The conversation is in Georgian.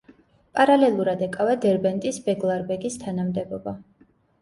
პარალელურად ეკავა დერბენტის ბეგლარბეგის თანამდებობა.